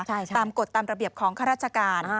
ตามกฎตามระเบียบของข้าราชการ